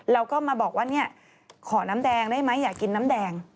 แล้วก็มาบอกว่าเนี่ยขอน้ำแดงได้ไหมอยากกินน้ำแดง